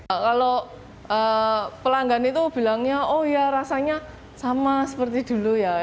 kalau pelanggan itu bilangnya oh ya rasanya sama seperti dulu ya